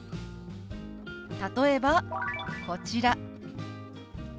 例えばこちら。